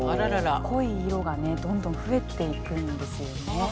濃い色がねどんどん増えていくんですよね。